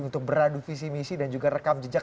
untuk beradu visi misi dan juga rekam jejak